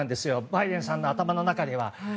バイデンさんの頭の中では。